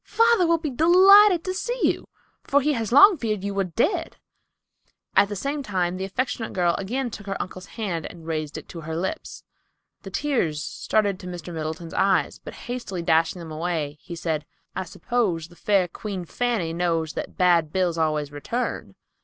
Father will be delighted to see you, for he has long feared you were dead." At the same time the affectionate girl again took her uncle's hand and raised it to her lips. The tears started to Mr. Middleton's eyes, but hastily dashing them away, he said, "I suppose the fair Queen Fanny knows that bad bills always return?"